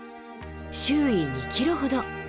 周囲２ｋｍほど。